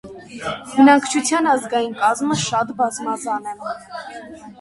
Բնակչության ազգային կազմը շատ բազմազան է։